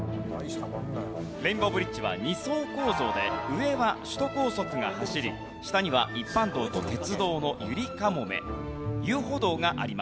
レインボーブリッジは２層構造で上は首都高速が走り下には一般道と鉄道のゆりかもめ遊歩道があります。